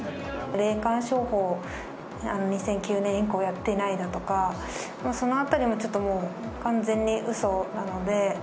霊感商法、２００９年以降やってないだとか、もうそのあたりも、ちょっともう、完全にうそなので。